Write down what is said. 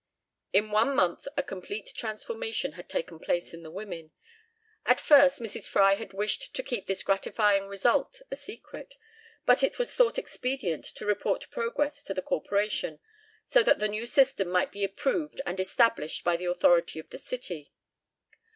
In one month a complete transformation had taken place in the women. At first Mrs. Fry had wished to keep this gratifying result a secret, but it was thought expedient to report progress to the Corporation, so that the new system might be approved and established by the authority of the city.